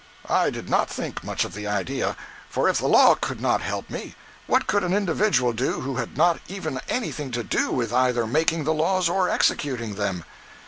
I did not think much of the idea, for if the law could not help me, what could an individual do who had not even anything to do with either making the laws or executing them?